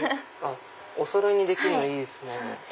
おそろいにできるのいいですね。